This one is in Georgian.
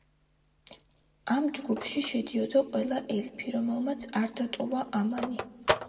ამ ჯგუფში შედიოდა ყველა ელფი, რომელმაც არ დატოვა ამანი.